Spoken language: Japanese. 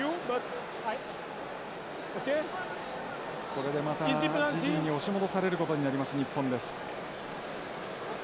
これでまた自陣に押し戻されることになります日本です。